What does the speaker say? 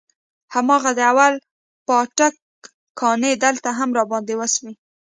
هماغه د اول پاټک کانې دلته هم راباندې وسوې.